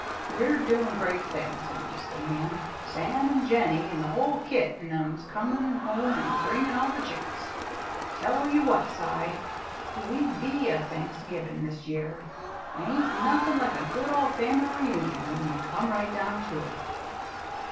"We're doin' great things," announced the man. "Sam an' Jennie an' the hull kit on 'em's comin' home an' bring all the chicks. Tell ye what, Cy, we be a Thanksgivin' this year! Ain't nothin' like a good old fam'ly reunion, when ye come right down to it."